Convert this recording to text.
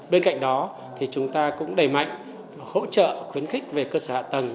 bên cạnh đó thì chúng ta cũng đầy mạnh hỗ trợ khuyến khích về cơ sở hạ tầng